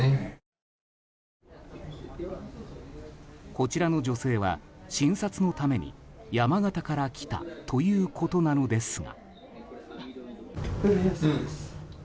こちらの女性は診察のために山形から来たということなのですが。